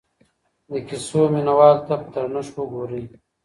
د کیسو مینه والو ته په درنښت وګورئ.